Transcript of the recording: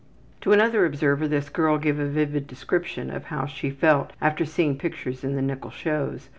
'' To another observer this girl gave a vivid description of how she felt after seeing pictures in the nickel shows.